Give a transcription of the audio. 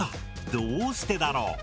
どうしてだろう？